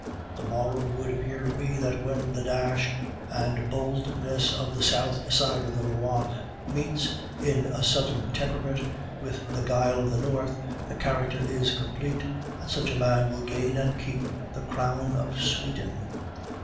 The moral would appear to be that when the dash and boldness of the South side of the Loire meets, in a southern temperament, with the guile of the North, the character is complete, and such a man will gain (and keep) the crown of Sweden.